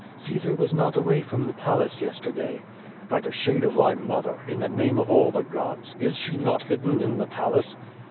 "Caesar was not away from the palace yesterday." By the shade of thy mother, in the name of all the gods, 18 she not hidden in the palace?"